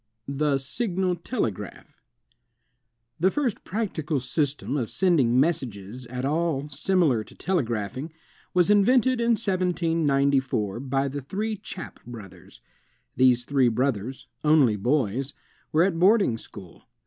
The Signal Telegraph The first practical system of sending messages at all similar to telegraphing, was invented in 1794 by the three Chappe brothers. These three brothers, only boys, were at boarding school.